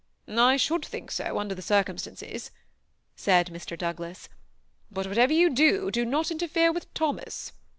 ^ 1 should think so, under the circumstances," said Mr. Douglas ;^ but whatever you do, do not interfere with Thomas."